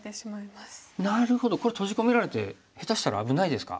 なるほどこれ閉じ込められて下手したら危ないですか？